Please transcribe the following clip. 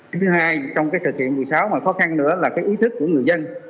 thứ hai trong cái thực hiện một mươi sáu mà khó khăn nữa là cái ý thức của người dân